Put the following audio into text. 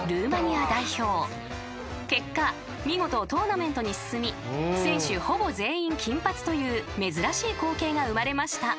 ［結果見事トーナメントに進み選手ほぼ全員金髪という珍しい光景が生まれました］